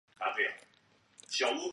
神是使用仙术的必要值。